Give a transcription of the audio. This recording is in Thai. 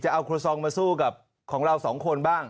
จะเอาโทรสองมาสู้กับของเรา๒คนบ้าง